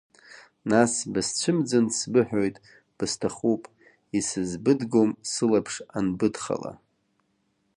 Нас бысцәымӡын, сбыҳәоит, бысҭахуп, исызбыдгом, сылаԥш анбыдхала!